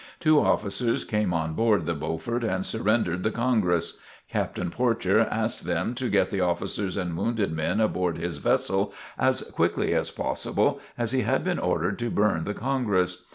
Two officers came on board the "Beaufort" and surrendered the "Congress." Captain Porcher asked them to get the officers and wounded men aboard his vessel as quickly as possible as he had been ordered to burn the "Congress."